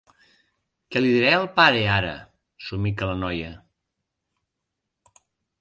Què li diré al pare, ara? —somica la noia.